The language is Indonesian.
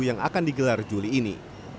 yang akan digelar juli ini